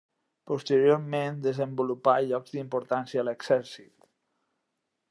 Posteriorment, desenvolupà llocs d'importància a l'exèrcit.